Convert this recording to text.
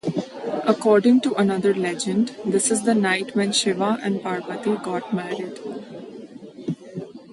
According to another legend, this is the night when Shiva and Parvati got married.